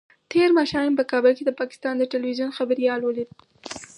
تېر ماښام مې په کابل کې د پاکستان د ټلویزیون خبریال ولید.